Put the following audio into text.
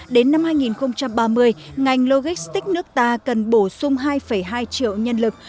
đến năm hai nghìn ba mươi ngành logistics nước ta cần bổ sung hai hai triệu nhân lực